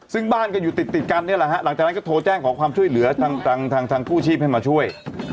ซึ่งบ้านก็อยู่ติดกันนี่แหละฮะหลังจากนั้นก็โทรแจ้งขอความช่วยเหลือทางกู้ชีพให้มาช่วย